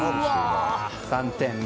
３点目。